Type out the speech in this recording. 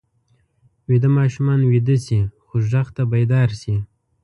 ویده ماشومان ویده شي خو غږ ته بیدار شي